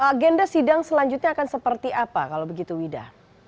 agenda sidang selanjutnya akan seperti apa kalau begitu wida